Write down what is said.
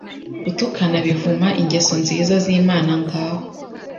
Gutukana bivuma ingeso nziza z'Imana ngaho